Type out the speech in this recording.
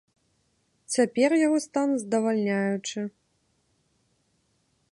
Цяпер яго стан здавальняючы.